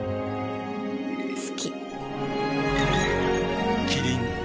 好き。